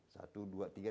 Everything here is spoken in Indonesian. satu dua tiga